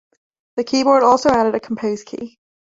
The keyboard also added a Compose key.